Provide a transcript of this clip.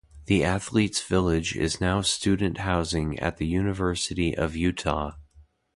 The Athlete's Village is now student housing at the University of Utah.